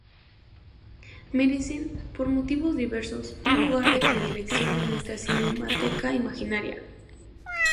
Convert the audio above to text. Merecen, por motivos diversos, un lugar de predilección en nuestra cinemateca imaginaria".